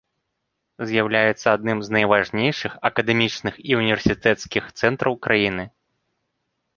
З'яўляецца адным з найважнейшых акадэмічных і універсітэцкіх цэнтраў краіны.